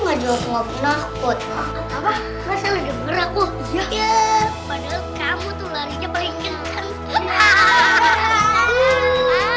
ada yang pernah kotak apa masalah gemeraku ya